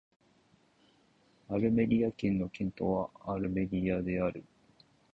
アルメリア県の県都はアルメリアである